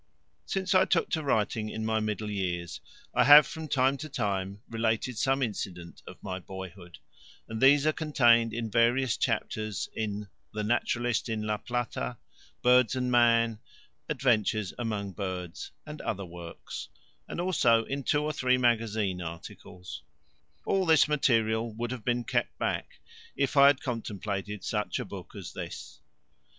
Since I took to writing in my middle years I have, from time to time, related some incident of my boyhood, and these are contained in various chapters in The Naturalist in La Plata, Birds and Man, Adventures among Birds, and other works, also in two or three magazine articles: all this material would have been kept back if I had contemplated such a book as this.